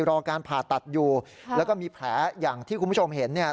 รอการผ่าตัดอยู่แล้วก็มีแผลอย่างที่คุณผู้ชมเห็นเนี่ย